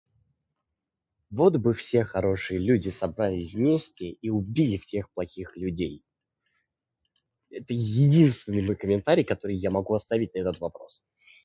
Вот бы все хорошие люди собрались вместе и убили всех плохих людей, это единственный мой комментарий который я могу оставить на этот вопрос.